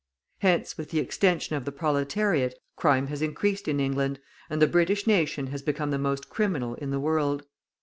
Hence with the extension of the proletariat, crime has increased in England, and the British nation has become the most criminal in the world.